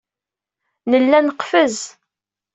Nella neqfez